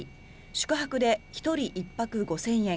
宿泊で１人１泊５０００円